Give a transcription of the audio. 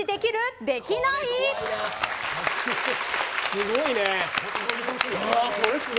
すごいね。